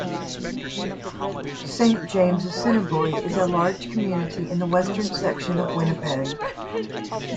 Saint James-Assiniboia is a large community in the western section of Winnipeg.